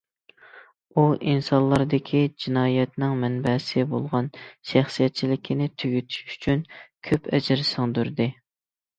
ئۇ ئىنسانلاردىكى جىنايەتنىڭ مەنبەسى بولغان شەخسىيەتچىلىكنى تۈگىتىش ئۈچۈن كۆپ ئەجىر سىڭدۈردى.